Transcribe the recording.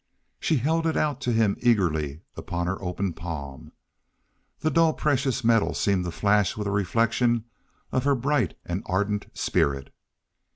She held it out to him eagerly upon her open palm. The dull precious metal seemed to flash with a reflection of her bright and ardent spirit.